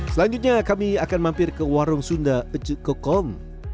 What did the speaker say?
selanjutnya kami akan mampir ke warung sunda kokom